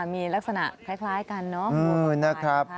มีลักษณะคล้ายกันเนอะนะครับ